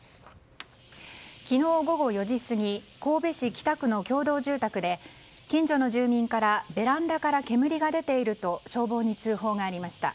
昨日午後４時過ぎ神戸市北区の共同住宅で近所の住民からベランダから煙が出ていると消防に通報がありました。